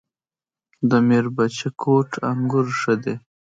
د میربچه کوټ انګور ښه دي